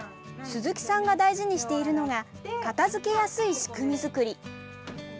鈴木さんが大事にしているのが片づけやすい仕組み作り。